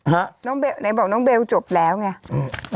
ไหนบอกน้องเบลจบแล้วไง